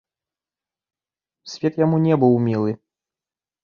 Свет яму не быў мілы.